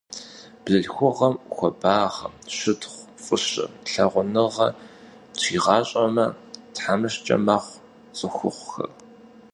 Бзылъхугъэм хуабагъэ, щытхъу, фӀыщӀэ, лъагъуныгъэ щигъащӀэмэ, тхьэмыщкӀэ мэхъу цӏыхухъухэр.